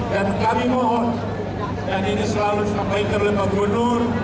dan kami mohon yang ini selalu sampai terlebih gunung